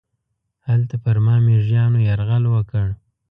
هلته پر ما میږیانو یرغل وکړ.